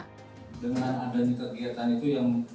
dengan adanya kegiatan itu yang